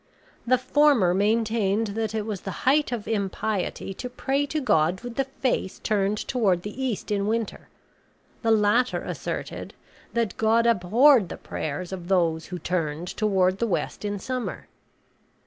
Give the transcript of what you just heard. The former maintained that it was the height of impiety to pray to God with the face turned toward the east in winter; the latter asserted that God abhorred the prayers of those who turned toward the west in summer.